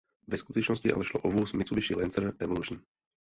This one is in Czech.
Ve skutečnosti ale šlo o vůz Mitsubishi Lancer Evolution.